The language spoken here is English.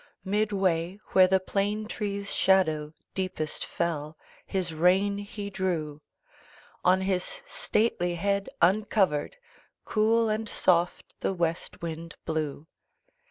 Midway, where the plane tree's shadow Deepest fell, his rein he drew: On his stately head, uncovered, Cool and soft the west wind blew.